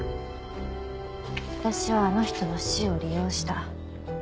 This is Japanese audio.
私はあの人の死を利用した。